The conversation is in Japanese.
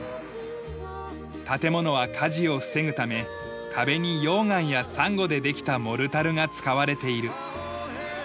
建物は火事を防ぐため壁に溶岩や珊瑚でできたモルタルが使われている。